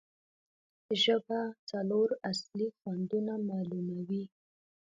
ژبه څلور اصلي خوندونه معلوموي.